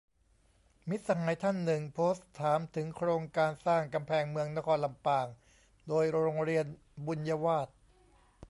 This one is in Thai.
มิตรสหายท่านหนึ่ง โพสต์ถามถึงโครงการสร้าง "กำแพงเมืองนครลำปาง" โดยโรงเรียนบุญวาทย์